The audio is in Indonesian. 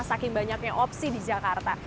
saking banyaknya opsi di jakarta